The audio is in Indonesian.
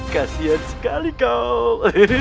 kasian sekali kau